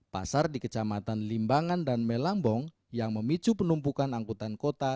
pasar di kecamatan limbangan dan melambong yang memicu penumpukan angkutan kota